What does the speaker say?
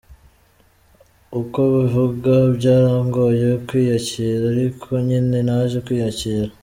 Uko abivuga, “Byarangoye kwiyakira, ariko nyine naje kwiyakira.